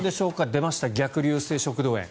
出ました、逆流性食道炎。